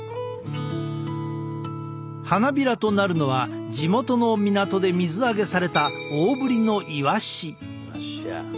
花びらとなるのは地元の港で水揚げされた大ぶりのイワシ。